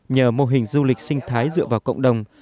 nhờ mô hình du lịch sinh thái dựa vào cộng đồng